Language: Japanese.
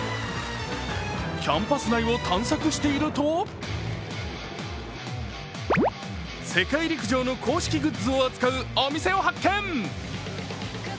キャンパス内を探索していると世界陸上の公式グッズを扱うお店を発見。